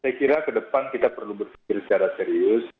saya kira kedepan kita perlu berpikir secara serius